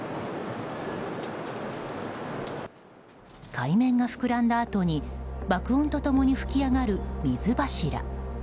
海面が膨らんだあとに爆音と共に吹き上がる水柱。